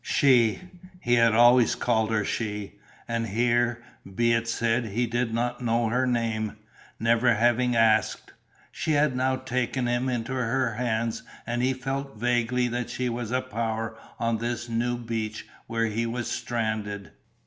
She he had always called her She, and here, be it said, he did not know her name, never having asked She had now taken him into her hands and he felt vaguely that she was a power on this new beach where he was stranded.